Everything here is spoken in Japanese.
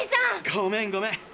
ごめんごめん。